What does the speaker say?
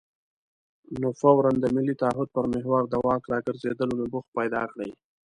نو فوراً د ملي تعهد پر محور د واک راګرځېدلو نبوغ پیدا کړي.